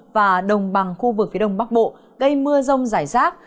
và đồng bằng khu vực phía đông bắc bộ gây mưa rông rải rác